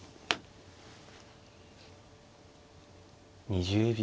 ２０秒。